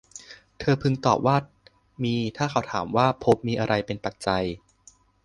เธอพึงตอบว่า มีถ้าเขาถามว่า ภพมีอะไรเป็นปัจจัย